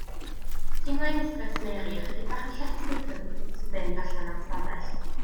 Teimlai Mistres Mary ychydig bach yn lletchwith wrth fynd allan o'r ystafell.